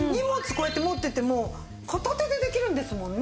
こうやって持ってても片手でできるんですもんね。